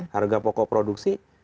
harga pokok produksi